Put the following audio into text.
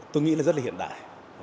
tôi nghĩ là rất là hiện đại